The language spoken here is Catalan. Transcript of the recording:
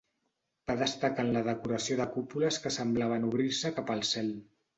Va destacar en la decoració de cúpules que semblaven obrir-se cap al cel.